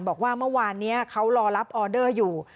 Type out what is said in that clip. บอกว่าเมื่อวานนี้เขารอรับออเดอร์อยู่